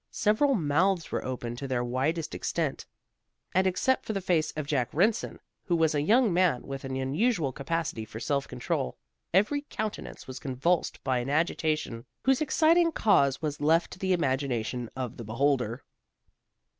Several mouths were open to their widest extent, and except for the face of Jack Rynson, who was a young man with an unusual capacity for self control, every countenance was convulsed by an agitation whose exciting cause was left to the imagination of the beholder.